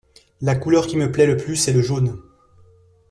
La couleur qui me plait le plus est le jaune.